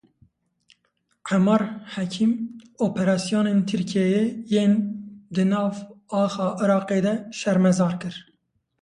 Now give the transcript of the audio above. Emar Hekîm, operasyonên Tirkiyeyê yên di nav axa Iraqê de şermezar kir.